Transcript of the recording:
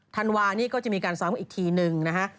ธันวานี่ก็จะมีการซ้อมอีกทีหนึ่งนะฮะ